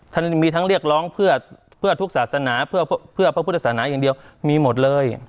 ท่านมีทั้งเรียกร้องเพื่อทุกศาสนาเพื่อพระพุทธศาสนาอย่างเดียวมีหมดเลย